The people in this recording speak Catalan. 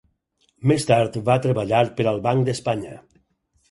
Més tard va treballar per al Banc d'Espanya.